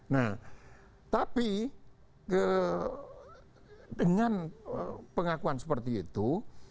nah tapi dengan pengakuan seperti itu